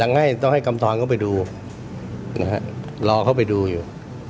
อ๋ออย่างอย่างต้องให้กรรมทรากรเขาไปดูรอเขาไปดูอยู่